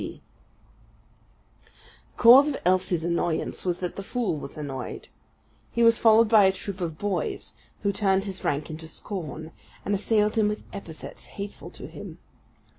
The cause of Elsie's annoyance was that the fool was annoyed; he was followed by a troop of boys, who turned his rank into scorn, and assailed him with epithets hateful to him.